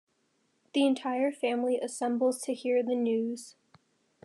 The entire family assembles to hear the news.